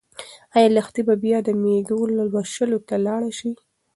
ايا لښتې به بیا د مېږو لوشلو ته لاړه شي؟